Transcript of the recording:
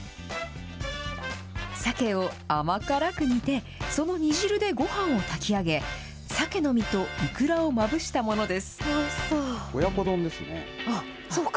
鮭を甘辛く煮て、その煮汁でごはんを炊き上げ、鮭の身とイクラをまぶしたものです。